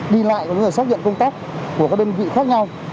đi lại có thể xác nhận công tác của các đơn vị khác nhau